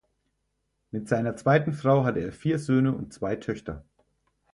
Mit seiner zweiten Frau hatte er vier Söhne und zwei Töchter.